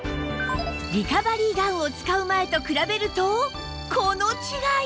リカバリーガンを使う前と比べるとこの違い！